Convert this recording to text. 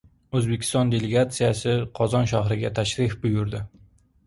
O‘zbekiston delegatsiyasi Qozon shahriga tashrif buyurdi